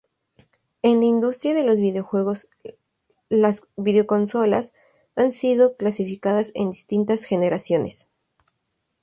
En la industria de los videojuegos, las videoconsolas han sido clasificadas en distintas generaciones.